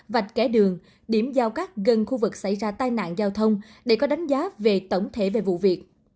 vạch kẻ đường điểm giao cắt gần khu vực xảy ra tai nạn giao thông để có đánh giá về tổng thể về vụ việc